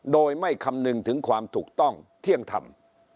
โดยไม่คำนึงถึงความถูกต้องเที่ยงธรรม